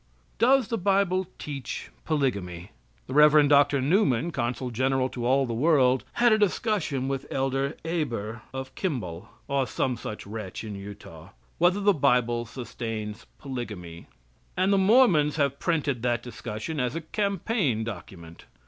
Does the bible teach polygamy? The Rev. Dr. Newman, consul general to all the world had a discussion with Elder Heber of Kimball, or some such wretch in Utah whether the bible sustains polygamy, and the Mormons have printed that discussion as a campaign document.